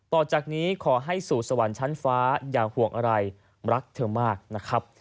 ต่อจากนี้ขอให้สู่สวรรค์ชั้นฟ้าอย่าห่วงอะไรรักเธอมากนะครับ